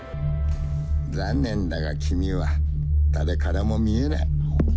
残念だが君は誰からも見えない。